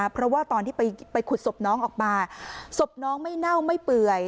เพราะว่าตอนที่ไปขุดศพน้องออกมาศพน้องไม่เน่าไม่เปื่อย